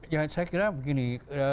ya saya kira begini